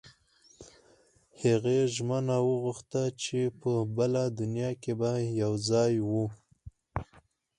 هغې ژمنه وغوښته چې په بله دنیا کې به یو ځای وو